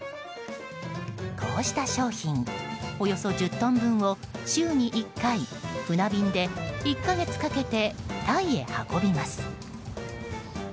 こうした商品およそ１０トン分を週に１回船便で１か月かけてタイへ運びます。